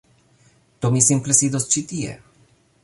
Do, mi simple sidos ĉi tie